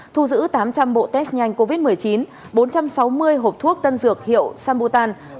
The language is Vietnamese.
thu giữ tám trăm linh bộ test nhanh covid một mươi chín bốn trăm sáu mươi hộp thuốc tân dược hiệu samutan